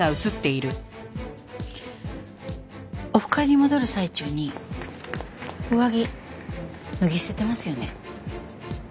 オフ会に戻る最中に上着脱ぎ捨ててますよね。